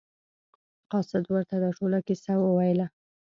قاصد ورته دا ټوله کیسه وویله.